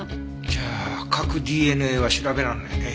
じゃあ核ＤＮＡは調べられないね。